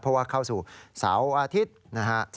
เพราะว่าเข้าสู่เสาร์อาทิตย์นะฮะ